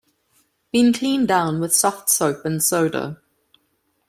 Been cleaned down with soft soap and soda.